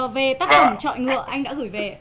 về tác phẩm chọi ngựa anh đã gửi về